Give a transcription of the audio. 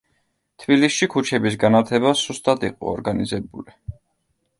თბილისში ქუჩების განათება სუსტად იყო ორგანიზებული.